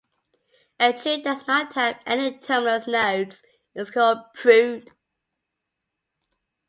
A tree that does not have any terminal nodes is called pruned.